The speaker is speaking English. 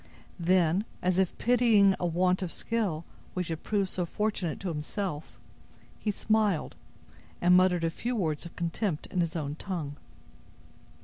Then, as if pitying a want of skill which had proved so fortunate to himself, he smiled, and muttered a few words of contempt in his own tongue.